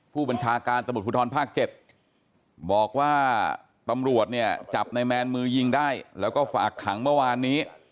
ผู้บัญชาการตำรวจภูทรภาค๗บอกว่าตำรวจเนี่ยจับในแมนมือยิงได้แล้วก็ฝากขังเมื่อวานนี้